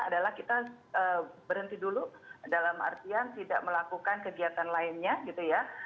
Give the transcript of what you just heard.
adalah kita berhenti dulu dalam artian tidak melakukan kegiatan lainnya gitu ya